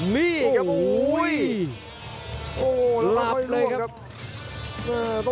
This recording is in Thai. นี่ครับโอ้โหลามโลกครับ